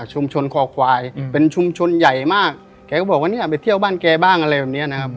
คอควายเป็นชุมชนใหญ่มากแกก็บอกว่าเนี่ยไปเที่ยวบ้านแกบ้างอะไรแบบเนี้ยนะครับ